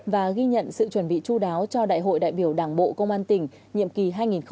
và ghi nhận sự chuẩn bị chú đáo cho đại hội đại biểu đảng bộ công an tỉnh nhiệm kỳ hai nghìn hai mươi hai nghìn hai mươi năm